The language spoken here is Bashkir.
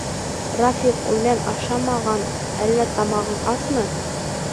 — Рафиҡ, үлән ашамаһаң әллә тамағың асмы?!